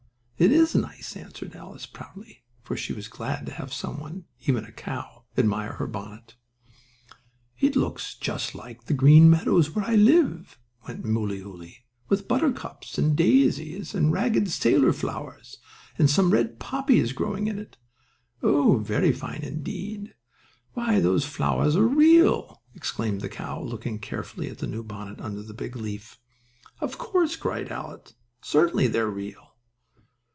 "It is nice," answered Alice proudly, for she was glad to have some one, even a cow, admire her bonnet. "It looks just like the green meadow where I live," went on Mooleyooly, "with buttercups, and daisies, and ragged sailor flowers and some red poppies growing in it. Oh, very fine, indeed. Why, those flowers are real!" exclaimed the cow, looking carefully at the new bonnet under the big leaf. "Of course," cried Alice, "certainly they are real."